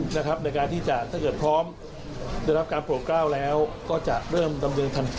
ในการีแล้วที่ถ้าเกิดพร้อมให้รับการโปรแก้วแล้วก็เริ่มดำเนินทางที่